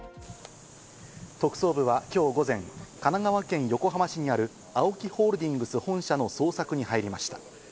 特捜は今日午前、神奈川県横浜市にあるＡＯＫＩホールディングス本社の捜索に入りました。